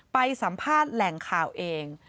ไปสัมภาษณ์แหล่งข่าวเอง